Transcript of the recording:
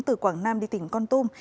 từ quảng nam đi tỉnh con tum